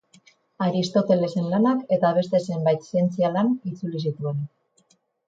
Aristotelesen lanak eta beste zenbait zientzia lan itzuli zituen.